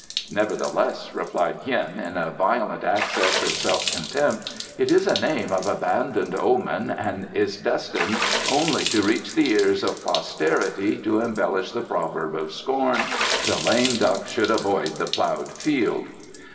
"Nevertheless," replied Hien, in a violent access of self contempt, "it is a name of abandoned omen and is destined only to reach the ears of posterity to embellish the proverb of scorn, 'The lame duck should avoid the ploughed field.